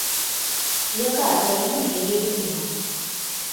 Якая краіна яе любімая?